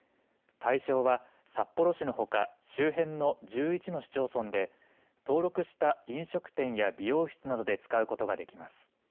対象は、札幌市のほか周辺の１１の市町村で登録した飲食店や美容室などで使うことができます。